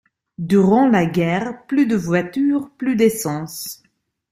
Durant la guerre, plus de voitures, plus d'essence.